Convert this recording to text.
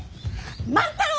万太郎！